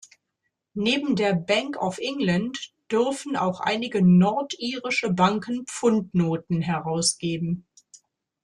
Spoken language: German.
Neben der Bank of England dürfen auch einige nordirische Banken Pfundnoten herausgeben.